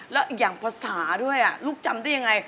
แล้วอย่างภาษาด้วยลูกจำได้ยังไง